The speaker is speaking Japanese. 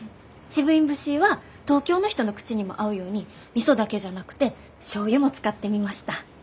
シブインブシーは東京の人の口にも合うようにみそだけじゃなくてしょうゆも使ってみました。